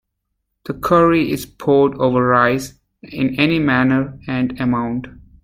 The curry is poured over rice in any manner and amount.